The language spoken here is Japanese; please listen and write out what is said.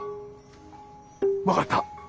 分かった。